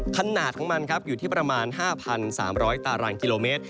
ขนาดของมันครับอยู่ที่ประมาณ๕๓๐๐ตารางกิโลเมตร